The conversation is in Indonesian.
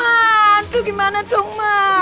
aduh gimana dong mak